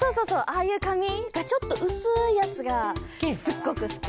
ああいうかみがちょっとうすいやつがすっごくすき。